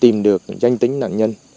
tìm được danh tính nạn nhân